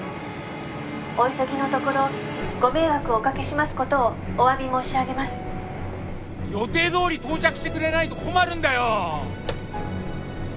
「お急ぎのところご迷惑をおかけします事をおわび申し上げます」予定どおり到着してくれないと困るんだよ！